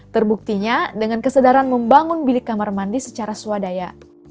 terbuktinya dengan kesadaran membangun bilik kamar mandi secara swadaya